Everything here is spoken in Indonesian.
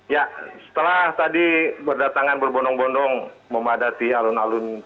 ya setelah tadi berdatangan berbondong bondong memadati alun alun